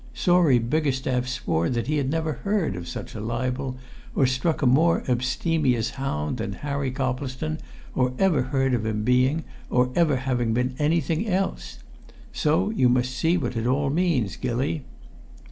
Sawrey Biggerstaff swore that he had never heard of such a libel, or struck a more abstemious hound than Harry Coplestone, or ever heard of him being or ever having been anything else! So you must see what it all means, Gilly."